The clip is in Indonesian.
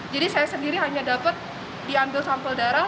jadi saya sendiri hanya dapat diambil sampel darah